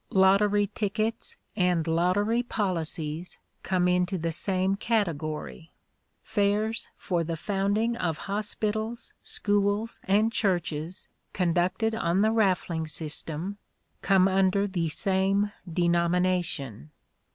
Lottery tickets and lottery policies come into the same category. Fairs for the founding of hospitals, schools and churches, conducted on the raffling system, come under the same denomination.